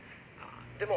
でも。